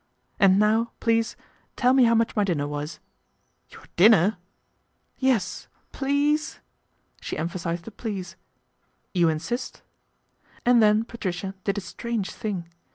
And now, please, tell me how much my dinner was." " Your dinner !"" Yes, pls e e e ase," she emphasised the " please." " You insist ?" And then Patricia did a strange thing.